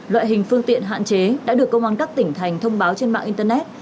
loại hình phương tiện hạn chế đã được công an các tỉnh thành thông báo trên mạng internet